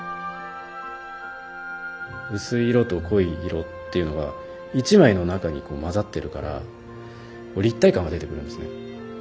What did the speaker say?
薄い色と濃い色っていうのが１枚の中にこう混ざってるから立体感が出てくるんですね。